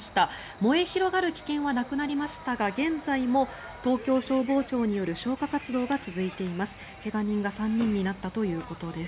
燃え広がる危険はなくなりましたが現在も東京消防庁による消火活動が続いています。